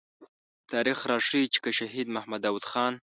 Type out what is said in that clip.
تاريخ راښيي چې که شهيد محمد داود خان.